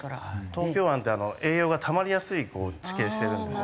東京湾って栄養がたまりやすい地形してるんですよね。